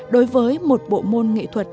đối với một bộ môn nghệ thuật